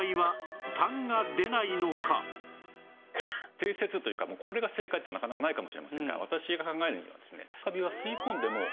定説というかこれが正解っていうのはなかなかないかもしれませんが私が考えるにはですね。